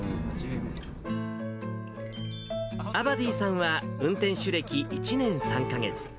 アバディさんは、運転手歴１年３か月。